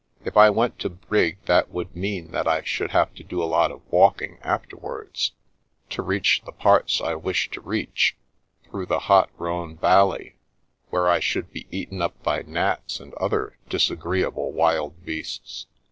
" If I went to Brig, that would mean that I should have to do a lot of walking afterwards, to reach the parts I wish to reach, through the hot Rhone Valley, where I should be eaten up by gnats and other dis agreeable wild beasts.